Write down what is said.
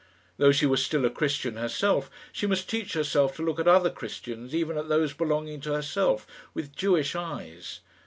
Though she were still a Christian herself, she must teach herself to look at other Christians, even at those belonging to herself, with Jewish eyes.